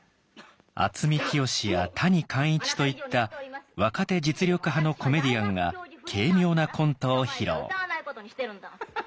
渥美清や谷幹一といった若手実力派のコメディアンが軽妙なコントを披露。